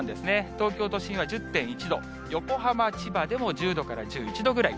東京都心は１０．１度、横浜、千葉でも１０度から１１度ぐらい。